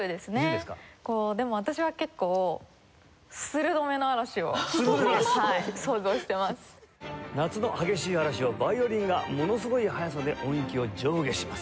でも私は結構夏の激しい嵐をヴァイオリンがものすごい速さで音域を上下します。